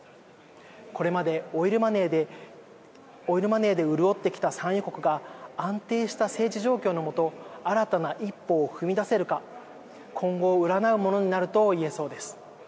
これまでオイルマネーで潤ってきた産油国が安定した政治状況の下新たな一歩を踏み出せるか今後を占うものになると言えそうです。